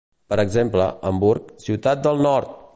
Per exemple, Hamburg, ciutat del nord!